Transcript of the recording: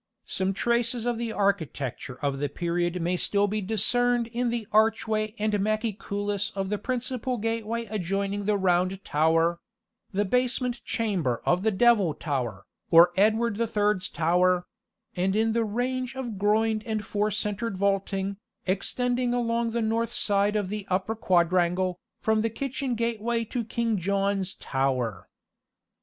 Some traces of the architecture of the period may still be discerned in the archway and machecoulis of the principal gateway adjoining the Round Tower; the basement chamber of the Devil Tower, or Edward the Third's Tower; and in the range of groined and four centred vaulting, extending along the north side of the upper quadrangle, from the kitchen gateway to King John's Tower.